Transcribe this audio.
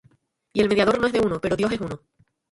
Y el mediador no es de uno, pero Dios es uno.